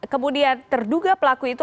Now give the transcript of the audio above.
kemudian terduga pelaku itu